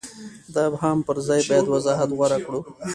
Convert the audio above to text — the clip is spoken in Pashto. د ابهام پر ځای باید وضاحت غوره کړو.